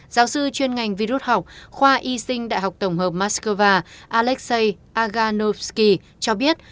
giáo sư chuyên ngành virus học khoa y sinh đại học tổng hợp moscow alexei aganovsky cho biết